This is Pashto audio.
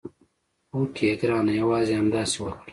هوکې ګرانه یوازې همداسې وکړه.